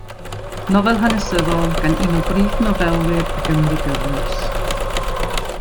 Nofel hanesyddol gan un o brif nofelwyr y Gymru gyfoes.